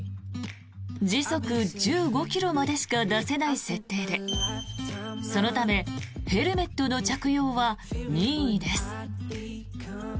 時速１５ｋｍまでしか出せない設定でそのためヘルメットの着用は任意です。